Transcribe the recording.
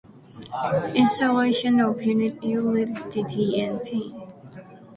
Installation of utilities and pipelines were very difficult and laborious.